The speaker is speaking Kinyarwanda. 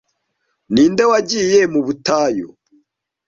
'Ninde wagiye mu butayu